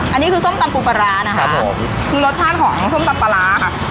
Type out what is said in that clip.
อันนี้คือส้มตำปูปลาร้านะคะผมคือรสชาติของส้มตำปลาร้าค่ะ